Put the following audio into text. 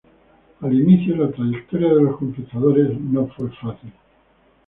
Al inicio, la trayectoria de los conquistadores no fue fácil.